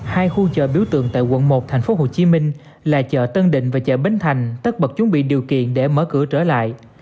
hai khu chợ biểu tượng tại quận một thành phố hồ chí minh là chợ tân định và chợ bến thành tất bật chuẩn bị điều kiện để mở cửa trở lại